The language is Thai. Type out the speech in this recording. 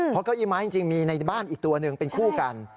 เพราะเก้าอี้ไม้จริงมีในบ้านอีกตัวหนึ่งเป็นคู่กัน